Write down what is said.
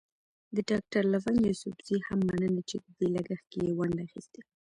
د ډاکټر لونګ يوسفزي هم مننه چې د دې لګښت کې يې ونډه اخيستې.